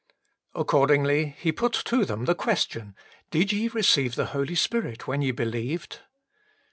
Accord ingly he put to them the question :" Did ye receive the Holy Spirit when ye believed